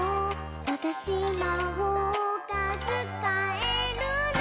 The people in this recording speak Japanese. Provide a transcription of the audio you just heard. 「わたしまほうがつかえるの！」